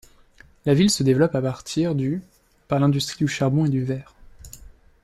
La ville se développe à partir du par l'industrie du charbon et du verre.